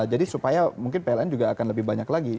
jadi supaya mungkin pln juga akan lebih banyak lagi